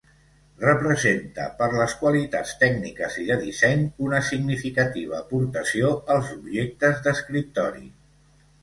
Representa, per les qualitats tècniques i de disseny, una significativa aportació als objectes d'escriptori.